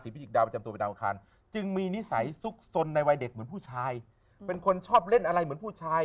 เป็นคนชอบเล่นอะไรเหมือนผู้ชาย